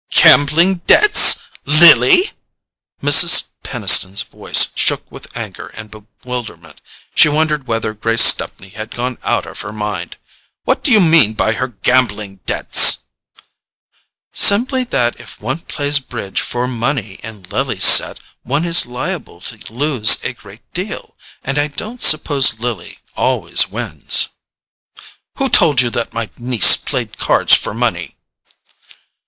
"Gambling debts? Lily?" Mrs. Peniston's voice shook with anger and bewilderment. She wondered whether Grace Stepney had gone out of her mind. "What do you mean by her gambling debts?" "Simply that if one plays bridge for money in Lily's set one is liable to lose a great deal—and I don't suppose Lily always wins." "Who told you that my niece played cards for money?"